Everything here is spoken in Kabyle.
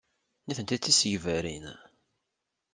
Nitenti d tisegbarin.